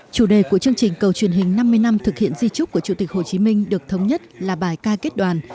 chủ đề của chương trình cầu truyền hình năm mươi năm thực hiện di trúc của chủ tịch hồ chí minh được thống nhất là bài ca kết đoàn